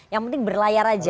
yang penting berlayar aja